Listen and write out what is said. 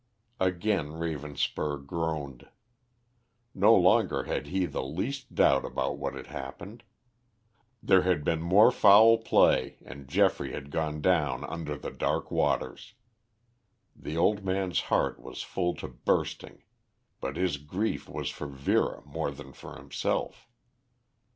Again Ravenspur groaned; no longer had he the least doubt about what had happened. There had been more foul play, and Geoffrey had gone down under the dark waters. The old man's heart was full to bursting, but his grief was for Vera more than for himself.